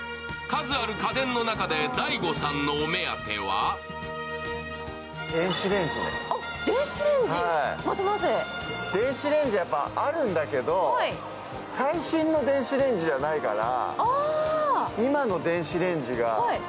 数ある家電の中でＤＡＩＧＯさんのお目当ては電子レンジ、あるんだけど最新の電子レンジじゃないから。